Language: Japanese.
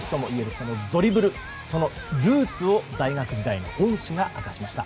そのルーツを大学時代の恩師が明かしました。